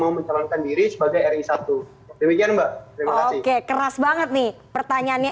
mau mencalonkan diri sebagai ri satu demikian mbak terima kasih keras banget nih pertanyaannya